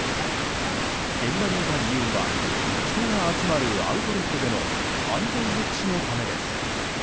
現場にいた理由は人が集まるアウトレットでの犯罪抑止のためです。